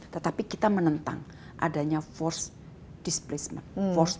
tetapi kita menentang adanya force displacement